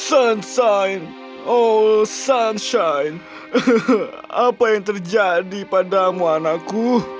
hahaha sunshine oh sunshine apa yang terjadi padamu anakku